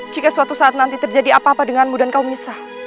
jika suatu saat nanti terjadi apa apa denganmu dan kau misah